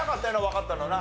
わかったのはな。